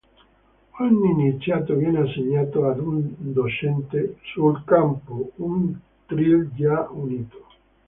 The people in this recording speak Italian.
Ogni iniziato viene assegnato ad un docente sul campo, un Trill già unito.